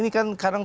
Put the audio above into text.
ketika di wang